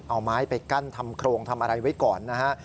เอาไม้ไปกั้นทำโครงทำอะไรไว้ก่อนนะฮะ